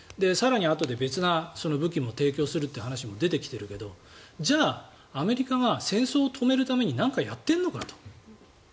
更にあとで別な武器も提供するという話も出てきているけれどじゃあ、アメリカが戦争を止めるために何かやっているのかと。